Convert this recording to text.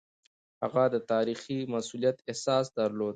هغه د تاريخي مسووليت احساس درلود.